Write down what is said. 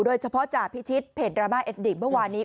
โดยเฉพาะจ่าพิชิตเพจดราม่าเอ็ดดิบเมื่อวานนี้